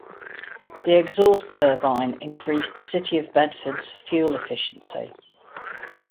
The exhaust turbine increased "City of Bedford"s fuel efficiency.